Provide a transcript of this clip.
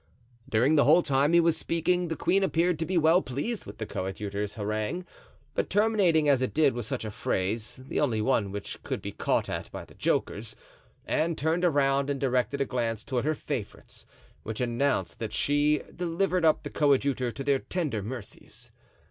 During the whole time he was speaking, the queen appeared to be well pleased with the coadjutor's harangue; but terminating as it did with such a phrase, the only one which could be caught at by the jokers, Anne turned around and directed a glance toward her favorites, which announced that she delivered up the coadjutor to their tender mercies.